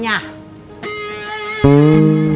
saya permisi dulu ya